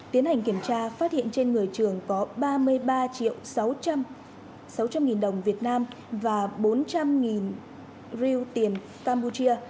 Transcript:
tiến hành kiểm tra phát hiện trên người trường có ba mươi ba triệu sáu trăm linh đồng việt nam và bốn trăm linh riu tiền campuchia